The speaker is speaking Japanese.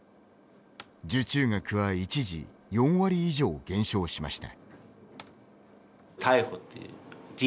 受注額は、一時４割以上、減少しました。